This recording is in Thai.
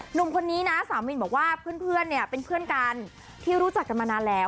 หนุ่มคนนี้นะสาวมินบอกว่าเพื่อนเนี่ยเป็นเพื่อนกันที่รู้จักกันมานานแล้ว